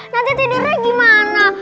nanti tidurnya gimana